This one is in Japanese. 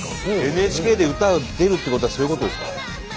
ＮＨＫで歌出るってことはそういうことですから。